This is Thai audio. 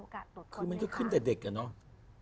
คือมันก็ขึ้นแต่เด็กอะเนาะ